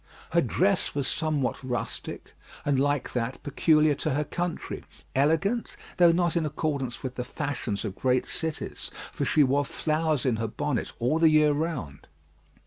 Her dress was somewhat rustic, and like that peculiar to her country elegant, though not in accordance with the fashions of great cities; for she wore flowers in her bonnet all the year round.